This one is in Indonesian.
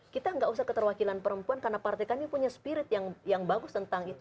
kita nggak usah keterwakilan perempuan karena partai kami punya spirit yang bagus tentang itu